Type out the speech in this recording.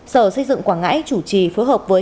sở xây dựng quảng ngãi chủ trì phối hợp với